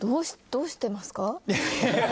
どうしてますか？